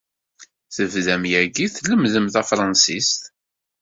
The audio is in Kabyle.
Tebdam yagi tlemmdem tafṛensist?